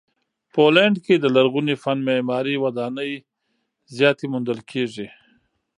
پولنډ کې د لرغوني فن معماري ودانۍ زیاتې موندل کیږي.